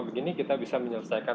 begini kita bisa menyelesaikan